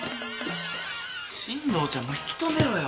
進藤ちゃんも引き止めろよ。